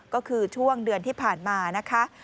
ก็คือช่วงเดือนที่ผ่านมานะคะ